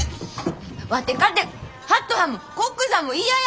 ワテかてハットはんもコックさんも嫌やわ！